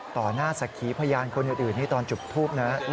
ต่อหน้าสักขีพยานคนอื่นนี่ตอนจุดทูปนะ